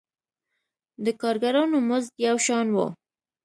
د کارګرانو مزد یو شان و.